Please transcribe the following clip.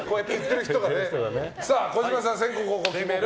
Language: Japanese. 児嶋さん、先攻と後攻を決める